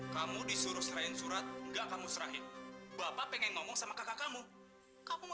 kamu disuruh serahin surat enggak kamu serahin bapak pengen ngomong sama kakak kamu